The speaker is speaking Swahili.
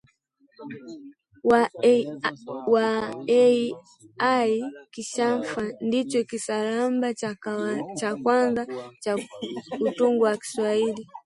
wa Al-Inkishafi ndicho kisarambe cha kwanza cha utungo wa Kiswahili